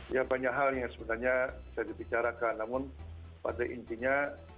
ya banyak hal yang sebenarnya bisa dibicarakan namun pada intinya